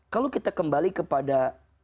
kalau kita kembali kepada